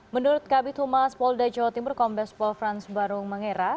menurut kabit humas polda jawa timur kombes pol frans barung mengera